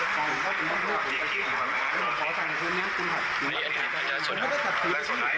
การลืมผลักสดไป